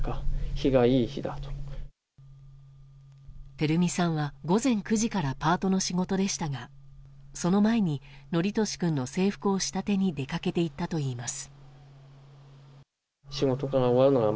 照美さんは、午前９時からパートの仕事でしたがその前に規稔君の制服を仕立てに出かけて行ったといいます。